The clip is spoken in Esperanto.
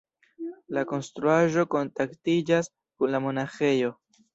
La konstruaĵo kontaktiĝas kun la monaĥejo.